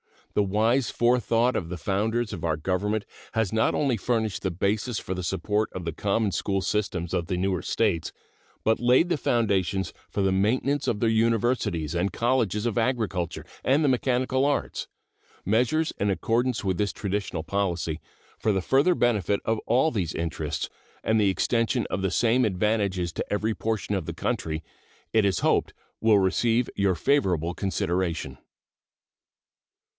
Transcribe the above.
The wise forethought of the founders of our Government has not only furnished the basis for the support of the common school systems of the newer States, but laid the foundations for the maintenance of their universities and colleges of agriculture and the mechanic arts. Measures in accordance with this traditional policy, for the further benefit of all these interests and the extension of the same advantages to every portion of the country, it is hoped will receive your favorable consideration.